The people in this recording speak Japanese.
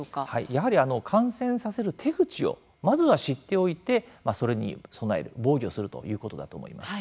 やはり感染させる手口をまずは知っておいてそれに備える防御するということだと思います。